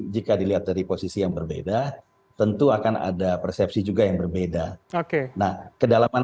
jika dilihat dari posisi yang berbeda tentu akan ada persepsi juga yang berbeda oke nah kedalaman